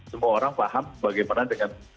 semua orang paham bagaimana dengan